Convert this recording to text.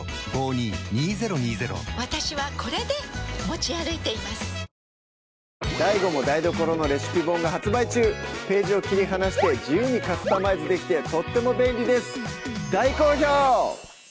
そういいですねＤＡＩＧＯも台所のレシピ本が発売中ページを切り離して自由にカスタマイズできてとっても便利です大好評！